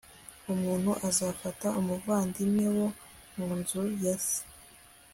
umuntu azafata umuvandimwe wo mu nzu ya se